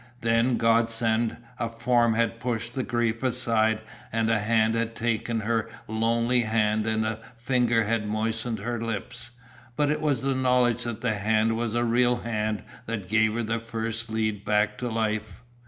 Then God sent, a form had pushed the grief aside and a hand had taken her lonely hand and a finger had moistened her lips. But it was the knowledge that the hand was a real hand that gave her the first lead back to life.